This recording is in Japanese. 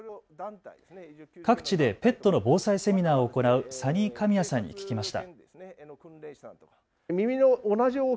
各地でペットの防災セミナーを行うサニー・カミヤさんに聞きました。